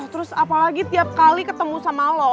terus apalagi tiap kali ketemu sama lo